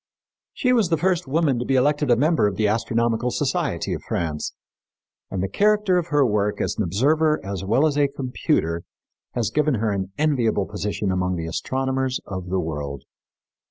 She was the first woman to be elected a member of the Astronomical Society of France, and the character of her work as an observer as well as a computer has given her an enviable position among the astronomers of the world.